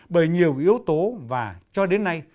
bởi nhiều yếu tố và cho đến nay